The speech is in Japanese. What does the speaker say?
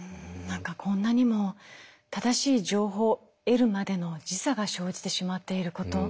何かこんなにも正しい情報を得るまでの時差が生じてしまっていること。